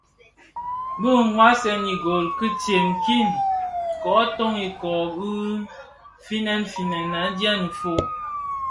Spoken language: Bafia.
Bi ňwasèn ugôl Kitsem kin kōton ikōō u finèn finèn adyèn fō.